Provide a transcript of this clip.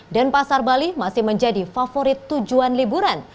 pasar bali masih menjadi favorit tujuan liburan